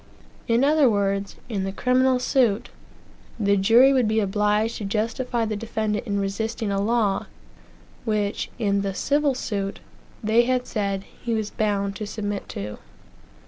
In other words, in the criminal suit, the jury would be obliged to justify the defendant in resisting a law, which, in the civil suit, they had said he was bound to submit to.